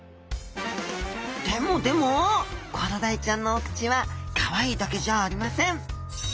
でもでもコロダイちゃんのお口はかわいいだけじゃありません。